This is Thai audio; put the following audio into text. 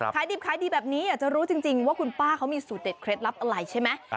ขายดิบขายดีแบบนี้อยากจะรู้จริงว่าคุณป้าเขามีสูตรเด็ดเคล็ดลับอะไรใช่ไหม